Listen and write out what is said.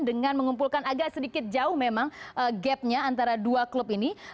dengan mengumpulkan agak sedikit jauh memang gapnya antara dua klub ini